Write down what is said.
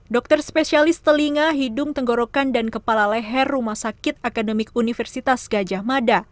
dokter spesialis telinga hidung tenggorokan dan kepala leher rumah sakit akademik universitas gajah mada